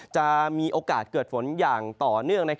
จะมีโอกาสเกิดฝนอย่างต่อเนื่อง